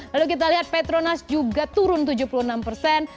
lalu kita lihat petronas juga turun tujuh puluh enam persen